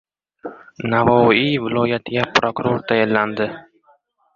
Navoiy viloyatiga prokuror tayinlandi